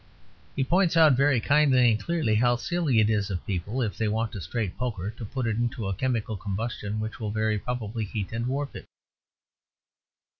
He points out, very kindly and clearly, how silly it is of people, if they want a straight poker, to put it into a chemical combustion which will very probably heat and warp it.